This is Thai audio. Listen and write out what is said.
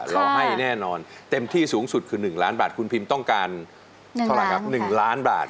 เราให้แน่นอนเต็มที่สูงสุดคือ๑ล้านบาทคุณพิมต้องการเท่าไหร่ครับ๑ล้านบาท